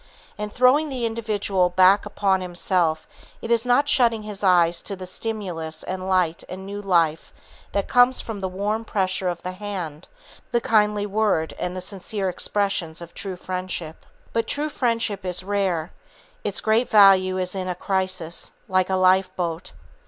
In throwing the individual thus back upon himself it is not shutting his eyes to the stimulus and light and new life that come with the warm pressure of the hand, the kindly word and the sincere expressions of true friendship. But true friendship is rare; its great value is in a crisis, like a lifeboat.